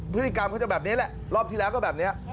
พฤติกรรมเขาจะแบบนี้แหละรอบที่แล้วก็แบบนี้